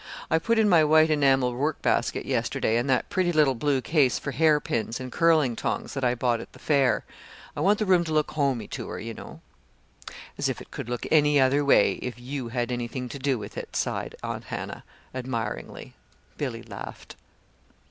I put in my white enamel work basket yesterday, and that pretty little blue case for hairpins and curling tongs that I bought at the fair. I want the room to look homey to her, you know." "As if it could look any other way, if you had anything to do with it," sighed Aunt Hannah, admiringly. Billy laughed.